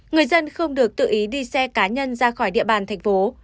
người dân không được tự ý đi xe cá nhân ra khỏi địa bàn thành phố